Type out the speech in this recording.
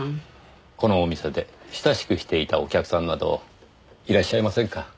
このお店で親しくしていたお客さんなどいらっしゃいませんか？